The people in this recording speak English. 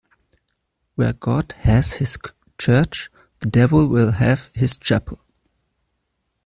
Where God has his church, the devil will have his chapel.